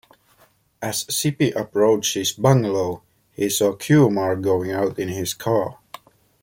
As Sippy approached his bungalow, he saw Kumar going out in his car.